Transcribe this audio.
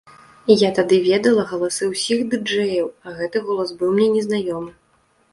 Я тады ведала галасы ўсіх ды-джэяў, а гэты голас быў мне незнаёмы.